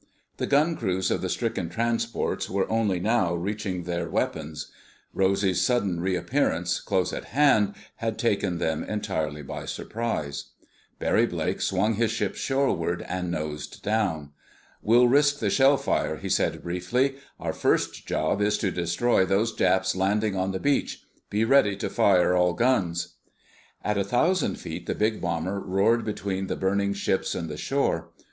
The gun crews of the stricken transports were only now reaching their weapons. Rosy's sudden re appearance, close at hand, had taken them entirely by surprise. Barry Blake swung his ship shoreward and nosed down. "We'll risk the shell fire," he said briefly. "Our first job is to destroy those Japs landing on the beach. Be ready to fire all guns." At a thousand feet the big bomber roared between the burning ships and the shore.